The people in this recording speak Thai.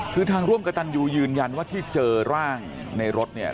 คือทางร่วมกับตันยูยืนยันว่าที่เจอร่างในรถเนี่ย